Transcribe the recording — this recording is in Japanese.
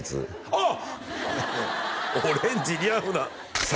あっ！